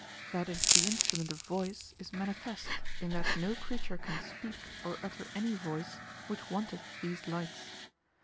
That it is the instrument of voice, is manifest, in that no creature can speak, or utter any voice, which wanteth these lights.